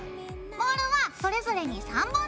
モールはそれぞれに３本ずつ。